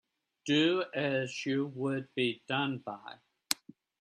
Do as you would be done by.